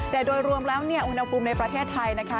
แต่โดยรวมแล้วเนี่ยอุณหภูมิในประเทศไทยนะคะ